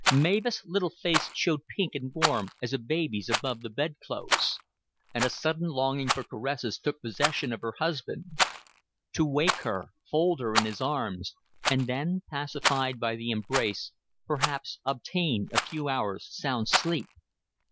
Mavis' little face showed pink and warm as a baby's above the bed clothes. And a sudden longing for caresses took possession of her husband. To wake her, fold her in his arms, and then, pacified by the embrace, perhaps obtain a few hours' sound sleep?